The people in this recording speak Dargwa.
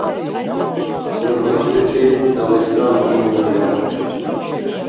ХӀурматличил Дагъистан машгьурбирахъули.